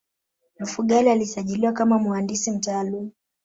Mfugale alisajiliwa kama muhandisi mtaalamu